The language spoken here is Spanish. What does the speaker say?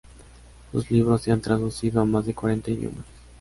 Sus libros se han traducido a más de cuarenta idiomas.